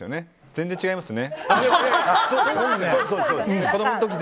全然違いますね。